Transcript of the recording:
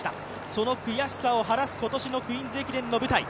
その悔しさを晴らす、このクイーンズ駅伝の舞台。